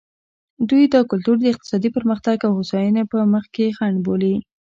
دوی دا کلتور د اقتصادي پرمختګ او هوساینې په مخ کې خنډ بولي.